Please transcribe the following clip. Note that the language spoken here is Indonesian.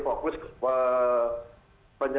fokus ke penyelamatannya